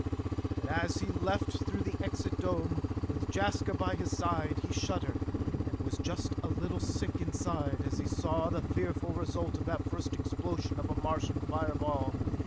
But as he left through the Exit Dome, with Jaska by his side, he shuddered, and was just a little sick inside as he saw the fearful result of that first explosion of a Martian fire ball!